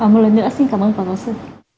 một lần nữa xin cảm ơn phạm bảo sư